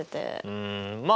うんまあ